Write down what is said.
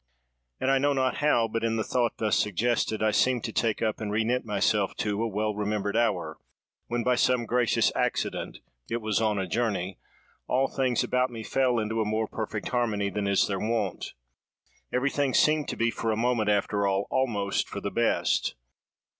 "And I know not how, but in the thought thus suggested, I seem to take up, and re knit myself to, a well remembered hour, when by some gracious accident—it was on a journey—all things about me fell into a more perfect harmony than is their wont. Everything seemed to be, for a moment, after all, almost for the best.